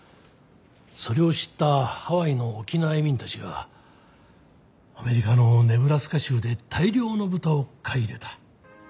それを知ったハワイの沖縄移民たちがアメリカのネブラスカ州で大量の豚を買い入れた。